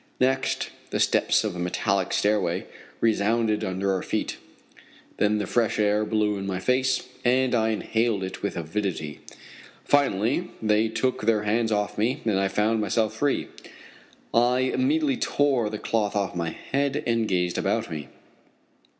Next, the steps of a metallic stairway resounded under our feet. Then the fresh air blew in my face and I inhaled it with avidity. Finally they took their hands from off me, and I found myself free. I immediately tore the cloth off my head and gazed about me.